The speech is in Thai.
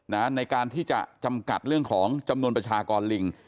ในการที่จะจำกัดเรื่องของจำนวนประชากรลิง